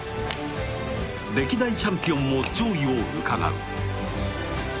歴代チャンピオンも上位をうかがう。